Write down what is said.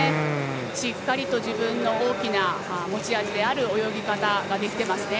しっかりと自分の大きな持ち味である泳ぎ方ができていますね。